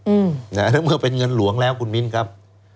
อืมนะฮะแล้วเมื่อเป็นเงินหลวงแล้วคุณมินครับ